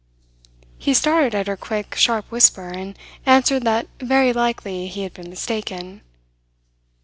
He started at her quick, sharp whisper, and answered that very likely he had been mistaken.